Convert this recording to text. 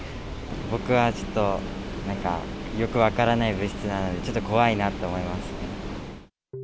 僕はちょっと、なんかよく分からない物質なので、ちょっと怖いなと思います。